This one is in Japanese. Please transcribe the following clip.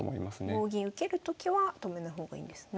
棒銀受けるときは止めない方がいいんですね。